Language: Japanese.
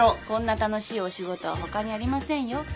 こんな楽しいお仕事は他にありませんよ。